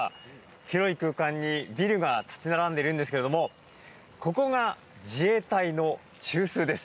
広い空間に、ビルが立ち並んでいるんですけどもここが、自衛隊の中枢です。